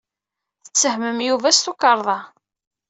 Tettehmem Yuba s tukerḍa.